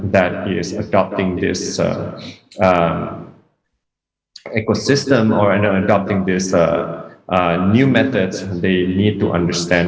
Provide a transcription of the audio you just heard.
menggunakan ekosistem ini atau menggunakan metode baru ini mereka perlu memahami